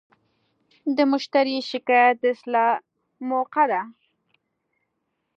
د مشتری شکایت د اصلاح موقعه ده.